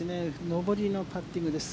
上りのパッティングです。